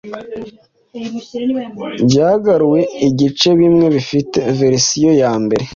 byagaruwe igicebimwe bifite verisiyo yambere